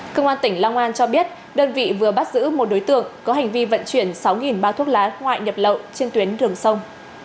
công an tỉnh long an cho biết đơn vị vừa bắt giữ một đối tượng có hành vi vận chuyển sáu bao thuốc lá ngoại nhập lậu trên tuyến đường sông